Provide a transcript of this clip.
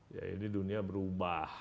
ya ini dunia berubah